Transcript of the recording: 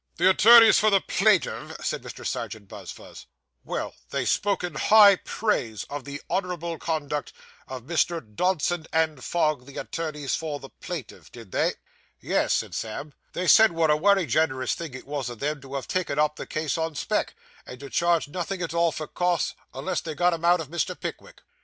'The attorneys for the plaintiff,' said Mr. Serjeant Buzfuz. 'Well! They spoke in high praise of the honourable conduct of Messrs. Dodson and Fogg, the attorneys for the plaintiff, did they?' 'Yes,' said Sam, 'they said what a wery gen'rous thing it was o' them to have taken up the case on spec, and to charge nothing at all for costs, unless they got 'em out of Mr. Pickwick.